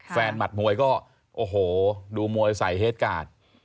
หมัดมวยก็โอ้โหดูมวยใส่เหตุการณ์